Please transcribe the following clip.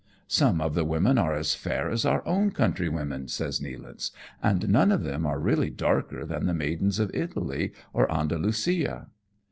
" Some of the women are as fair as our own country women," says Nealance, " and none of them are really darker than the maidens of Italy or Andalusia."